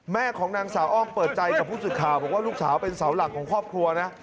แม่ของนางสาวอ้อมเปิดใจกับผู้สื่อข่าวบอกว่าลูกสาวเป็นเสาหลักของครอบครัวนะ